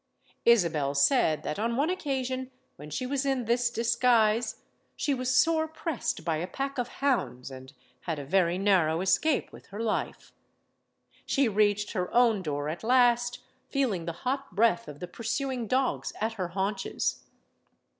Isabel said, that on one occasion, when she was in this disguise, she was sore pressed by a pack of hounds, and had a very narrow escape with her life. She reached her own door at last, feeling the hot breath of the pursuing dogs at her haunches.